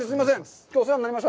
きょうはお世話になりました。